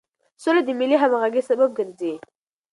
سوله د ملي همغږۍ سبب ګرځي.